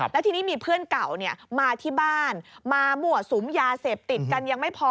แล้วทีนี้มีเพื่อนเก่ามาที่บ้านมาหมั่วสุมยาเสพติดกันยังไม่พอ